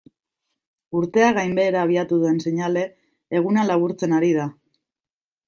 Urtea gainbehera abiatu den seinale, eguna laburtzen ari da.